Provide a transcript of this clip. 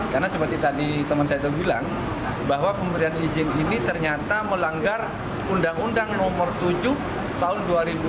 karena seperti tadi teman saya itu bilang bahwa pemberian izin ini ternyata melanggar undang undang nomor tujuh tahun dua ribu enam belas